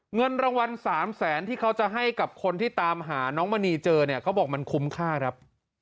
เงินรางวัล๓แสนที่เขาจะให้กับคนที่ตามหาน้องมณีเจอเนี่ยเขาบอกมันคุ้มค่าครับ